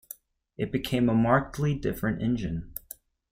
It became a markedly different engine.